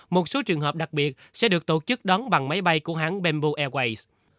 một số trường hợp đặc biệt sẽ được tổ chức đón bằng máy bay của hãng bamboo airways